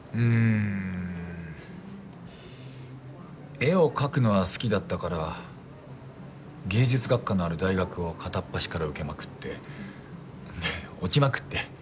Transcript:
絵を描くのは好きだったから芸術学科のある大学を片っぱしから受けまくってで落ちまくって。